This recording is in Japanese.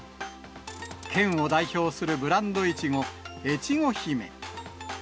県を代表するブランドイチゴ、越後姫。